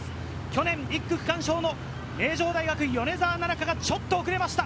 去年１区区間賞の名城大学・米澤奈々香がちょっと遅れました。